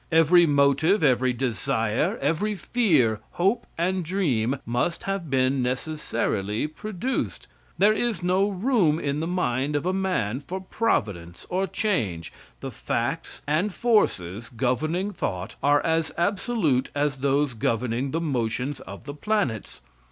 Every motive, every desire, every fear, hope and dream must have been necessarily produced. There is no room in the mind of a man for providence or change. The facts and forces governing thought are as absolute as those governing the motions of the planets.